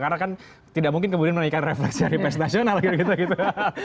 karena kan tidak mungkin kemudian menaikkan refleksi dari pers nasional gitu gitu